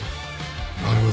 なるほど。